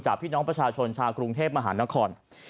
พี่น้องประชาชนชาวกรุงเทพมหานคร